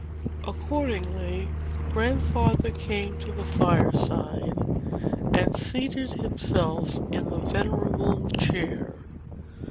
Accordingly, Grandfather came to the fireside, and seated himself in the venerable chair.